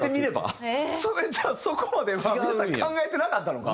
それじゃあそこまではミスター考えてなかったのか。